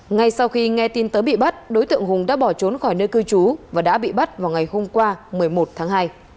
ngay sau khi nghe tin tới bị bắt đối tượng hùng đã bỏ trốn khỏi nơi cư trú và đã bị bắt vào ngày hôm qua một mươi một tháng hai